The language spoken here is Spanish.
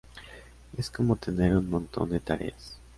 Es como tener un montón de tareas.